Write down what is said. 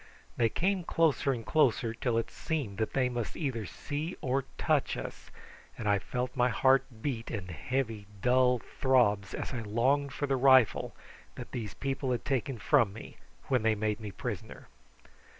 They came closer and closer, till it seemed that they must either see or touch us, and I felt my heart beat in heavy dull throbs as I longed for the rifle that these people had taken from me when they made me prisoner.